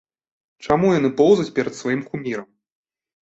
Чаму яны поўзаць перад сваім кумірам?